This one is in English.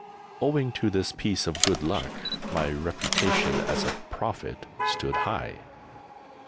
Owing to this piece of good luck my reputation as a prophet stood high!